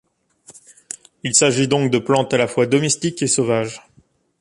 Il s'agit donc de plantes à la fois domestiques et sauvages.